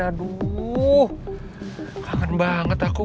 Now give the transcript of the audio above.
aduh kangen banget aku